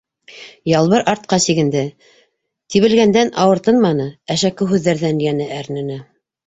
Ялбыр артҡа сигенде, тибелгәндән ауыртынманы, әшәке һүҙҙәрҙән йәне әрнене.